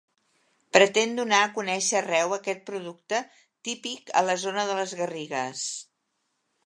Pretén donar a conèixer arreu aquest producte, típic a la zona de les Garrigues.